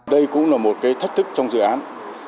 đây cũng là một thách thức trong dự án